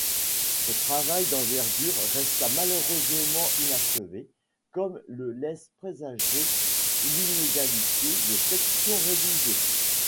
Ce travail d'envergure resta malheureusement inachevé, comme le laisse présager l'inégalité des sections rédigées.